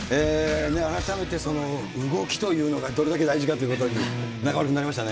改めて動きというのがどれだけ大事かということに、中丸君、なりましたね。